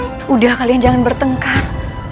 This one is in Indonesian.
sudah kalian jangan bertengkar